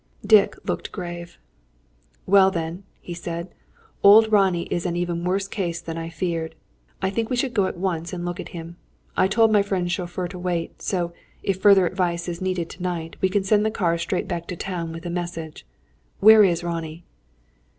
Dick looked grave. "Well then," he said, "old Ronnie is in an even worse case than I feared. I think we should go at once and look him up. I told my friend's chauffeur to wait; so, if further advice is needed to night, we can send the car straight back to town with a message. Where is Ronnie?"